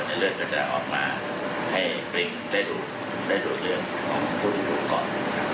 เลือดปลิงจะได้ออกมาให้ปลิงได้ดูดเลือดของผู้ถูกก่อน